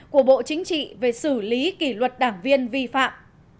của bộ chính trị về xử lý kỷ luật đảng viên vi phạm